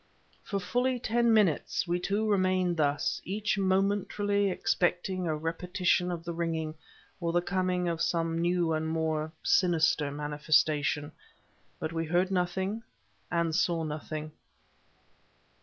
For fully ten minutes we two remained thus, each momentarily expecting a repetition of the ringing, or the coming of some new and more sinister manifestation. But we heard nothing and saw nothing.